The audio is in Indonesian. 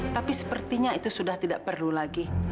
tapi sepertinya itu sudah tidak perlu lagi